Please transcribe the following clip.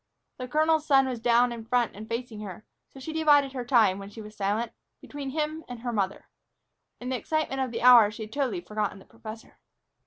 The colonel's son was down in front and facing her, so she divided her time, when she was silent, between him and her mother. In the excitement of the hour she had totally forgotten the professor.